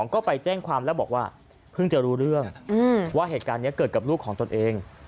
ก็ไปแจ้งความแล้วบอกว่าเพิ่งจะรู้เรื่องว่าเหตุการณ์นี้เกิดกับลูกของตนเอง